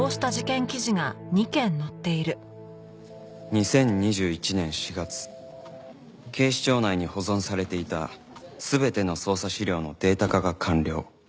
２０２１年４月警視庁内に保存されていた全ての捜査資料のデータ化が完了